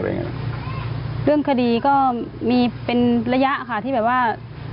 เรื่องคดีก็มีเป็นระยะค่ะที่แบบว่า